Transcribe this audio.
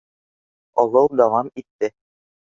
Олоу дауам итте.